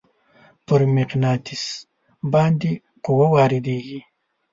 پر مقناطیس باندې قوه وارد کیږي.